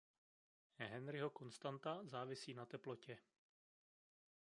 Henryho konstanta závisí na teplotě.